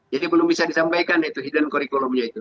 jadi belum bisa disampaikan hidden curriculum nya itu